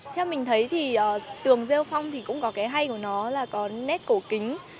theo mình thấy thì tường rêu phong thì cũng có cái hay của nó là có nét cổ kính